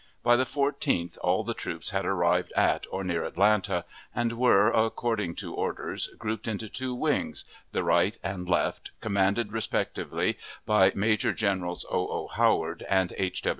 By the 14th all the troops had arrived at or near Atlanta, and were, according to orders, grouped into two wings, the right and left, commanded respectively by Major Generals O. O. Howard and H.